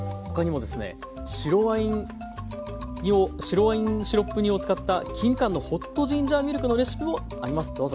他にもですね白ワインシロップ煮を使ったきんかんのホットジンジャーミルクのレシピもあります。